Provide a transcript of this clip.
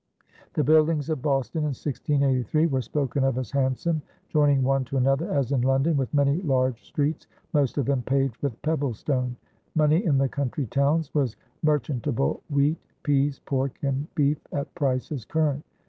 The buildings of Boston in 1683 were spoken of as "handsome, joining one to another as in London, with many large streets, most of them paved with pebble stone." Money in the country towns was merchantable wheat, peas, pork, and beef at prices current.